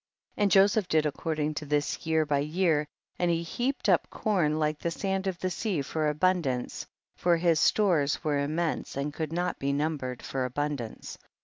10. And Joseph did according to this year by year, and lie heaped up corn like the sand of the sea for abundance, for his stores were im mense and could not be numbered for abundance.